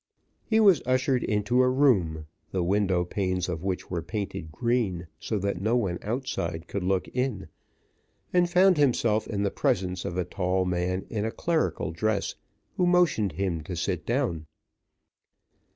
He was ushered into a room, the window panes of which were painted green, so that no one outside could look in, and found himself in the presence of a tall man, in a clerical dress, who motioned to him to sit down.